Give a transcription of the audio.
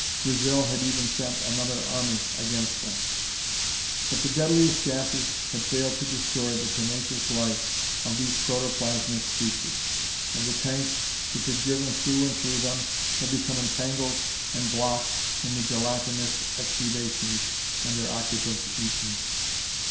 Brazil had even sent another army against them. But the deadliest gases had failed to destroy the tenacious life of these protoplasmic creatures, and the tanks, which had driven through and through them, had become entangled and blocked in the gelatinous exudations, and their occupants eaten.